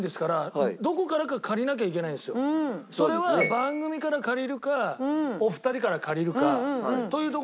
それは番組から借りるかお二人から借りるかというとこなんですよ。